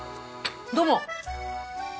どうも。